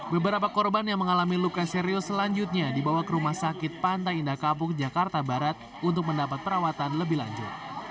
beberapa korban yang mengalami luka serius selanjutnya dibawa ke rumah sakit pantai indah kapuk jakarta barat untuk mendapat perawatan lebih lanjut